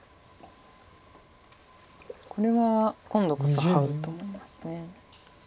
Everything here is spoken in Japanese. これは今度こそハウと思います。